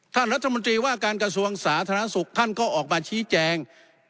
ท่านรัฐมนตรีว่าการกระทรวงสาธารณสุขท่านก็ออกมาชี้แจง